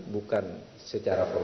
bukan secara politik